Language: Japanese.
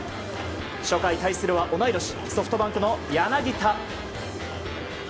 初回、対するは同い年ソフトバンクの柳田。